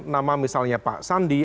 nama misalnya pak sandi